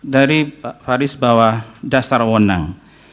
dari pak faris bawah dasarwonang